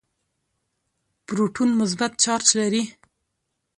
پروټون مثبت چارج لري.